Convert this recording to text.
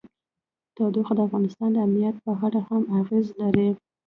تودوخه د افغانستان د امنیت په اړه هم اغېز لري.